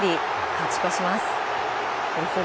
勝ち越します。